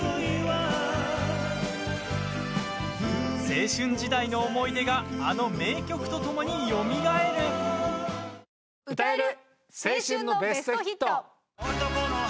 青春時代の思い出があの名曲とともによみがえる。